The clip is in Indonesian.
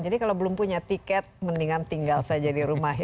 jadi kalau belum punya tiket mendingan tinggal saja di rumah